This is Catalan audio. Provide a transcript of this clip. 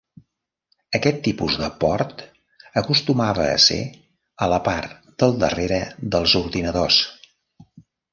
Aquest tipus de port acostumava a ser a la part del darrere dels ordinadors.